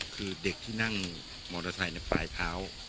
คือเด็กที่นั่งมอเตอร์ไซค์ในปลายเท้า